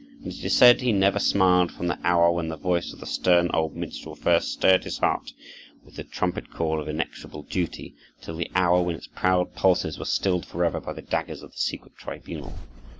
And it is said he never smiled from the hour when the voice of the stern old minstrel first stirred his heart with the trumpet call of inexorable duty, till the hour when its proud pulses were stilled forever by the daggers of the secret tribunal.